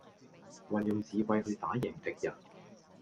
運用智慧去打贏敵人